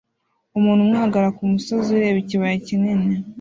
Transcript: Umuntu umwe ahagarara kumusozi ureba ikibaya kinini